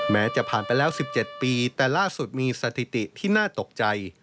จะผ่านไปแล้ว๑๗ปีแต่ล่าสุดมีสถิติที่น่าตกใจ